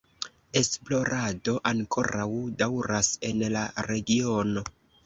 Esplorado ankoraŭ daŭras en la regiono.